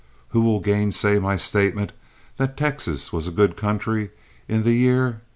Who will gainsay my statement that Texas was a good country in the year 1871?